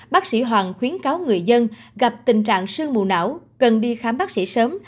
bác sĩ hoàng khuyến cáo người dân gặp tình trạng sương mù não cần đi khám bác sĩ sớm